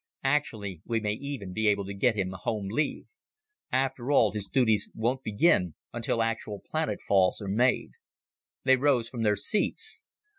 Actually, we may even be able to get him a home leave. After all, his duties won't begin until actual planetfalls are made." They rose from their seats.